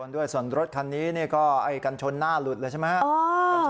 ด้วยส่วนรถคันนี้เนี้ยก็ไอ้กัญชนหน้าหลุดเลยใช่ไหมฮะอ๋อ